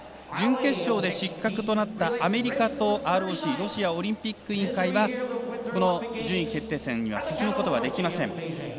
準決勝で失格となったアメリカとＲＯＣ＝ロシアオリンピック委員会はこの順位決定戦には進むことができません。